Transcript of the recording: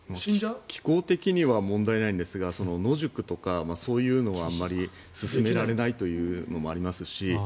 気候的には問題ないんですが野宿とかそういうのはあまり勧められないというのもありますし。